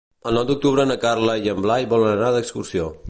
El nou d'octubre na Carla i en Blai volen anar d'excursió.